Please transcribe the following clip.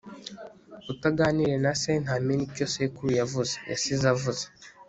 utaganiriye na se ntamenya icyo sekuru yavuze (yasize avuze)